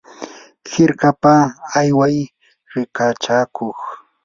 hirkapa ayway rikachakuq.